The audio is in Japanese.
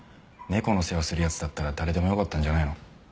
猫の世話する奴だったら誰でもよかったんじゃないの？